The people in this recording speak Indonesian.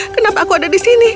kenapa aku ada di sini